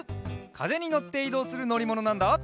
かぜにのっていどうするのりものなんだ。